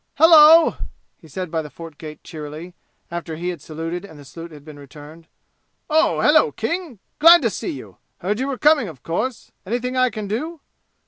"Hello!" he said by the fort gate, cheerily, after he had saluted and the salute had been returned. "Oh, hello, King! Glad to see you. Heard you were coming, of course. Anything I can do?"